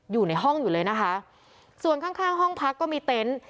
อยู่ในห้องอยู่เลยนะคะส่วนข้างข้างห้องพักก็มีเต็นต์